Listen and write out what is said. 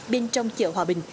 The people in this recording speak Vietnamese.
bên trong chợ hòa bình